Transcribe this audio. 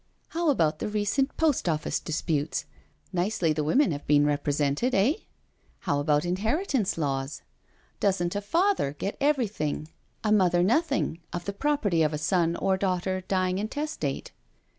" How about the recent Post Office disputes? Nicely the women have been represented, eh? How about inheritance laws? Doesn't a father get everything, a 142 NO SURRENDER mother nothing, of the property of a son or daughter dying intestate?